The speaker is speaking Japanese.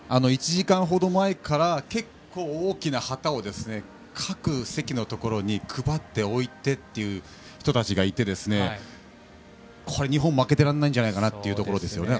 １時間程前から結構、大きな旗を各席のところに配って置いてという人たちがいてこれ、日本負けてられないんじゃないかなというところですね。